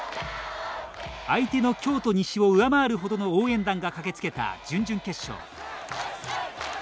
相手の京都西を上回るほどの応援団が駆けつけた準々決勝。